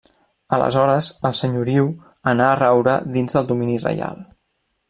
Aleshores el senyoriu anà a raure dins del domini reial.